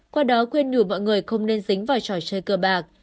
qua đó khuyên ngủ mọi người không nên dính vào trò chơi cơ bạc